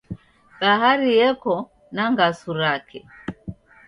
Bahari yeko na ngasu rake